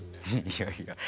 いやいや。